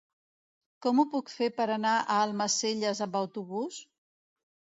Com ho puc fer per anar a Almacelles amb autobús?